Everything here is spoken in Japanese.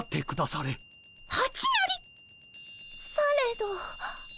されど。